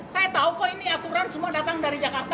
saya tahu kok ini aturan semua datang dari jakarta